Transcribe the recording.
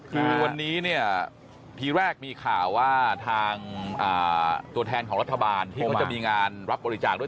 คือวันนี้เนี่ยทีแรกมีข่าวว่าทางตัวแทนของรัฐบาลที่เขาจะมีงานรับบริจาคด้วย